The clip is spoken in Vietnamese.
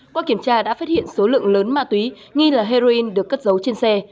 qua kiểm tra đã phát hiện số lượng lớn ma túy nghi là heroin được cất dấu trên xe